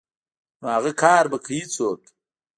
نو اغه کار به کوي څوک.